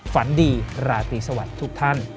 ฝันดีราตรีสวัสดิ์ทุกท่าน